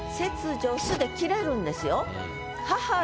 「母よ」で切れるんですよ。